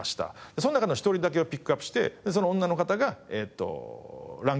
その中の１人だけをピックアップしてその女の方がランキングを発表します。